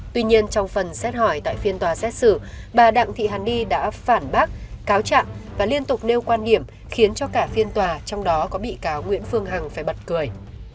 tuy nhiên trong phần xét hỏi tại phiên tòa xét xử bà đặng thị hàn ni đã phản bác cáo trạng và liên tục nêu quan điểm khiến cho cả phiên tòa trong đó có bị cáo nguyễn phương hằng phải bật cười